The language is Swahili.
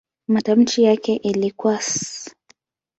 Matamshi yake ilikuwa "s".